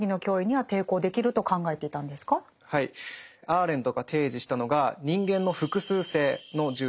アーレントが提示したのが人間の複数性の重要性です。